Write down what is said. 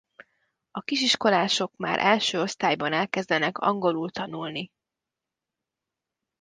A kisiskolások már első osztályban elkezdenek angolul tanulni.